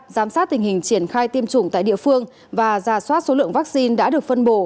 giám sát tình hình triển khai tiêm chủng tại địa phương và giả soát số lượng vaccine đã được phân bổ